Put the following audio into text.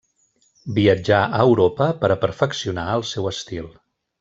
Viatjà a Europa per a perfeccionar el seu estil.